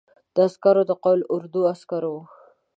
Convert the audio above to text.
دا عسکر د قول اردو عسکر وو.